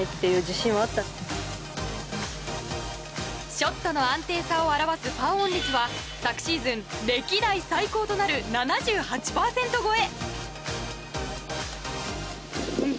ショットの安定さを表すパーオン率は昨シーズン歴代最高となる７８％超え。